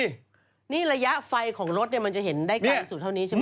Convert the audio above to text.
ว่านี่ระยะไฟของรถมันจะเห็นได้การที่สุดเท่านี้ใช่มั้ย